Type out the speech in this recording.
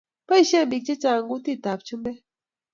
Boishe Biik chechang kutit ab chumbek